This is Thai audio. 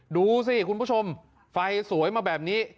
ดูสิคุณผู้ชมไฟสวยมาแบบนี้